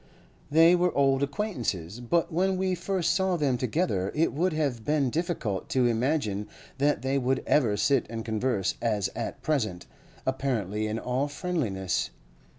They were old acquaintances; but when we first saw them together it would have been difficult to imagine that they would ever sit and converse as at present, apparently in all friendliness.